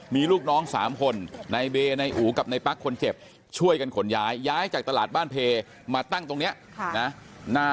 มีลูกน้อง๓คนในเบนายอู๋กับในปั๊กคนเจ็บช่วยกันขนย้ายย้ายจากตลาดบ้านเพมาตั้งตรงนี้นะ